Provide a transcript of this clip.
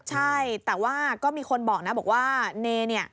ใช่แต่ว่าก็มีคนบอกนะบอกว่าเนเนี่ย